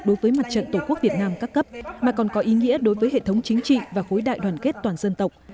đối với mặt trận tổ quốc việt nam các cấp mà còn có ý nghĩa đối với hệ thống chính trị và khối đại đoàn kết toàn dân tộc